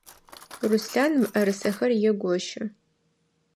Руслъан мыӏэрысэхэр егощы.